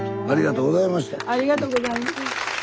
ありがとうございます。